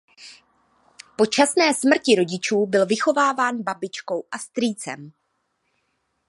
Po časné smrti rodičů byl vychováván babičkou a strýcem.